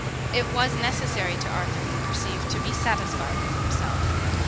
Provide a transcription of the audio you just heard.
It was necessary to Arthur, you perceive, to be satisfied with himself.